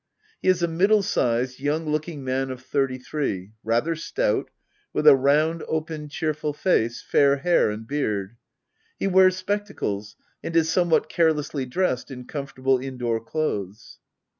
He is a middle sized, young looking man of thirty three, rather stout, with a round, open, cheerful face, fair hair and heard. He wears spectacles, and is some what carelessly dressed in comfortable indoor clothes.